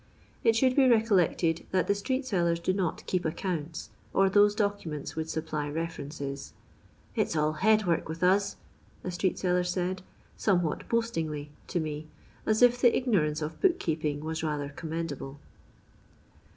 It should be recol lected that the street* sellers do not keep acoounti, or those documents would supply references. " It 's all headwork with us," a street seller said, some what boastingly, to me, as if the ignorance of book keeping was rather commendable.